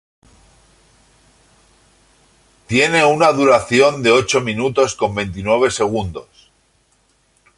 Tiene una duración de ocho minutos con veintinueve segundos.